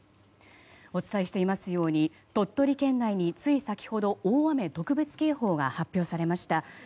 お伝えしていますように鳥取県内に、つい先ほど大雨特別警報が発表されました。